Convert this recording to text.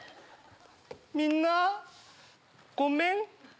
みんなごめん。